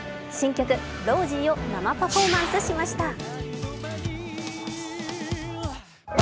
新曲「Ｒｏｓｙ」を生パフォーマンスしました。